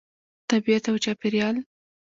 طبیعت او چاپیریال